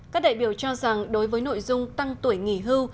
các đại biểu cho rằng đối với nội dung tăng tuổi nghỉ hưu